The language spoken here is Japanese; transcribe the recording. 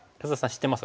知ってます？